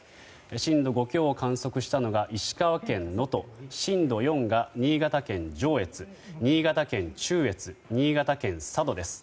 震度５強を観測したのが石川県能登震度４が新潟県上越、新潟県中越新潟県佐渡です。